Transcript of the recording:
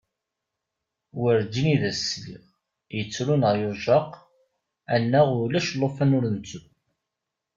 Werǧin i d as-sliɣ, yettru neɣ yujjaq, anaɣ ulac llufan ur nettru.